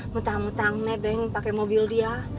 mentang mentang nebeng pake mobil dia